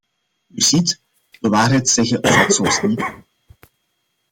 U ziet, de waarheid zeggen valt soms niet mee.